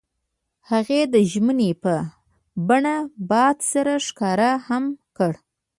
هغوی د ژمنې په بڼه باد سره ښکاره هم کړه.